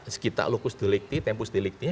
sekitar lukus delikti tempus delikti